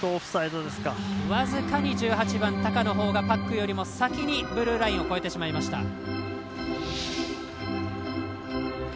僅かに１８番、高のほうがパックより先にブルーラインを越えてしまいました。